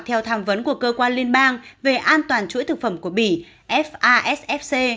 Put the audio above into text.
theo tham vấn của cơ quan liên bang về an toàn chuỗi thực phẩm của bỉ fasfc